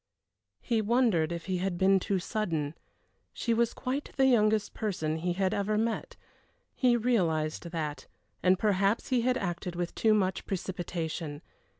He wondered if he had been too sudden. She was quite the youngest person he had ever met he realized that, and perhaps he had acted with too much precipitation.